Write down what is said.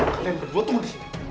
kalian berdua tunggu disini